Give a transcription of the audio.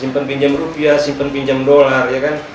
simpan pinjam rupiah simpan pinjam dolar